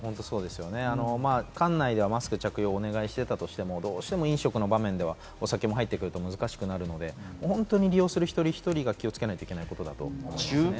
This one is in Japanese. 館内ではマスク着用をお願いしていたとしても、どうしても飲食の場面ではお酒が入ってくると難しくなるので、利用する一人一人が気をつけなきゃいけないと思いますね。